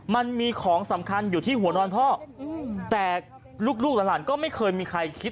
มันมีของสำคัญอยู่ที่หัวนอนพ่อแต่ลูกหลานก็ไม่เคยมีใครคิด